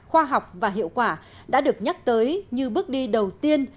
khoa học và hiệu quả đã được nhắc tới như bước đi đầu tiên